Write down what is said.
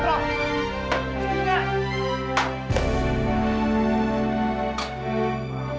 tidak ada siapa di sana